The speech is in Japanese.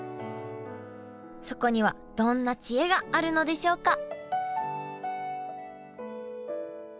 そこにはどんな知恵があるのでしょうか？